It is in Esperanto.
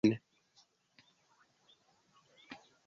Neniu bonvolis manĝi ĝin.